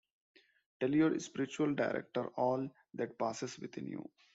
Tell your spiritual director all that passes within you.